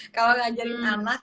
kalau ngajarin anak